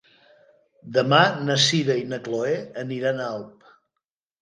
Demà na Sira i na Chloé aniran a Alp.